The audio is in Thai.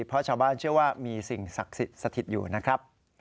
เพราะชาวบ้านเชื่อว่ามีสิ่งศักดิ์สิทธิ์สถิตอยู่นะครับ